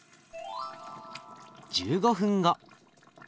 １５分後。